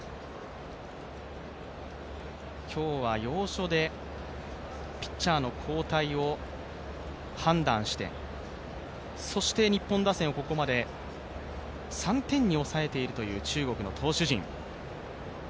今日は要所でピッチャーの交代を判断して、そして日本打線をここまで３点に抑えているという中国の投手陣。